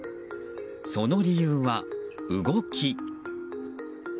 その理由は動き。